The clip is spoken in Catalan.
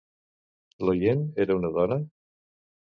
L'oient era una dona?